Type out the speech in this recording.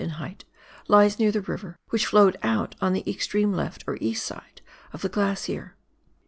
in height, lies near the river, which flowed out on the extreme left or east side of the glacier.